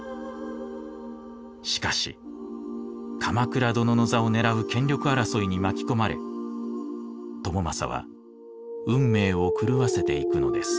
しかし鎌倉殿の座を狙う権力争いに巻き込まれ朝雅は運命を狂わせていくのです。